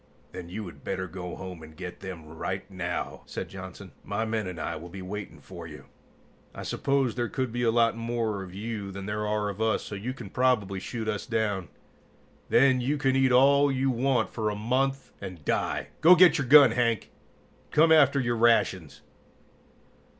"Then you had better go home and get them right now," said Johnson. "My men and I will be waiting for you. I suppose there could be a lot more of you than there are of us, so you can probably shoot us down. Then you can eat all you want for a month, and die. Go get your gun, Hank, and come after your rations!"